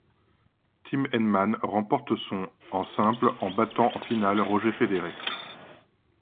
Tim Henman remporte son en simple en battant en finale Roger Federer.